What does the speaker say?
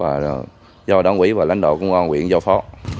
và do đảng quỹ và lãnh đạo công an huyện do phó